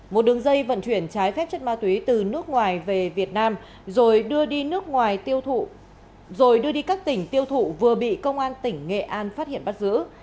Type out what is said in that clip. một đường dây vận chuyển trái phép chất ma túy từ nước ngoài về việt nam rồi đưa đi các tỉnh tiêu thụ vừa bị công an tỉnh nghệ an phát hiện bắt giữ